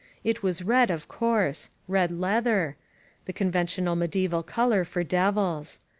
It was red, of course — red leather — the conventional medieval color for devils.